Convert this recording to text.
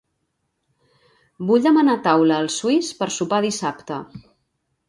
Vull demanar taula al Suís per sopar dissabte.